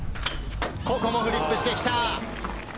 ここもフリップしてきた。